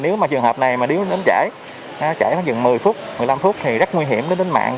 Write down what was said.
nếu mà trường hợp này mà điếu đến trễ trễ khoảng chừng một mươi phút một mươi năm phút thì rất nguy hiểm đến mạng